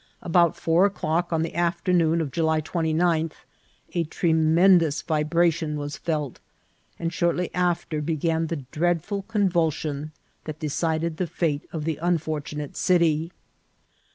..." About four o'clock, on the afternoon of July 29, a tremendous vibra tion was felt, and shortly after began the dreadful con vulsion that decided the fate of the unfortunate city."